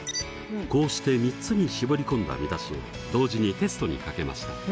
こうして３つに絞り込んだ見出しを同時にテストにかけました。